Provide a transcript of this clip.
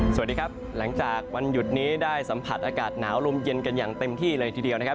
สวัสดีครับหลังจากวันหยุดนี้ได้สัมผัสอากาศหนาวลมเย็นกันอย่างเต็มที่เลยทีเดียวนะครับ